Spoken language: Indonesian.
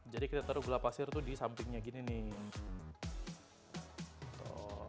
jadi kita taruh gula pasir tuh di sampingnya gini nih